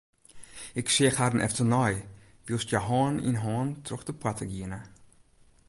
Ik seach harren efternei wylst hja hân yn hân troch de poarte giene.